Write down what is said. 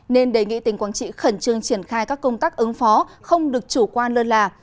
nên đề nghị tỉnh quảng trị khẩn trương triển khai các công tác ứng phó không được chủ quan lơ là